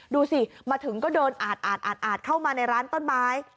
ดูสิมาถึงก็เดินอาดเข้ามาในร้านต้นไม้